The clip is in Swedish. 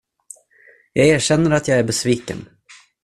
Jag erkänner att jag är besviken.